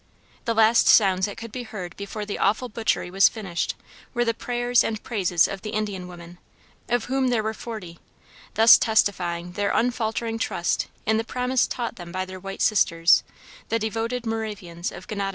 The last sounds that could be heard before the awful butchery was finished were the prayers and praises of the Indian women, of whom there were forty, thus testifying their unfaltering trust in the promise taught them by their white sisters the devoted Moravians of Gnadenhutten.